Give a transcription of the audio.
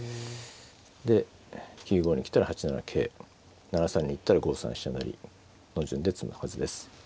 で９五に来たら８七桂７三に行ったら５三飛車成の順で詰むはずです。